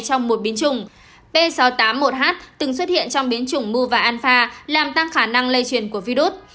trong một biến chủng p sáu trăm tám mươi một h từng xuất hiện trong biến chủng mu và anfa làm tăng khả năng lây truyền của virus